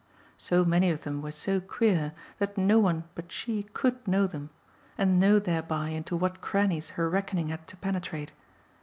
So many of them were so queer that no one but she COULD know them, and know thereby into what crannies her reckoning had to penetrate.